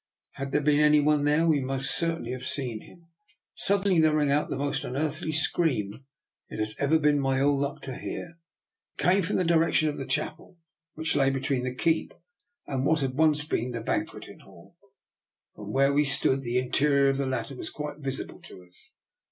Had there been any one there, we must certainly have seen him. Sud denly there rang out the most unearthly scream it has ever been my ill luck to hear. It came from the direction of the chapel, which lay between the keep and what had once been the banqueting hall. From where we stood the interior of the latter was quite visible to us.